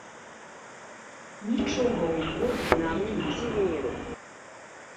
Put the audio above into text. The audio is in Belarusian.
Нічога ў горла не лезе.